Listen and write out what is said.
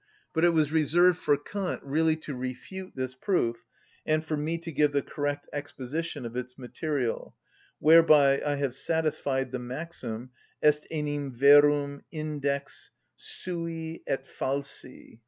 But it was reserved for Kant really to refute this proof, and for me to give the correct exposition of its material, whereby I have satisfied the maxim: Est enim verum index sui et falsi.